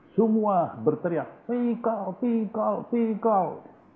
semua berteriak aspikal aspikal aspikal